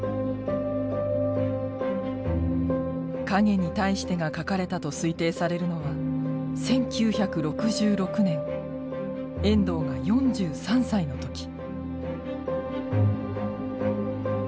「影に対して」が書かれたと推定されるのは１９６６年遠藤が４３歳の時。